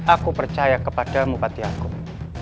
aku percaya kepada bupati agung